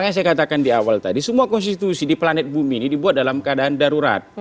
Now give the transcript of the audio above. jadi kita kan di awal tadi semua konstitusi di planet bumi ini dibuat dalam keadaan darurat